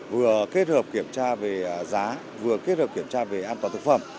vừa kết hợp kiểm tra về giá vừa kết hợp kiểm tra về an toàn thực phẩm